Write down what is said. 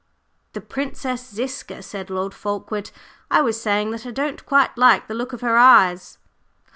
"The Princess Ziska," said Lord Fulkeward. "I was saying that I don't quite like the look of her eyes."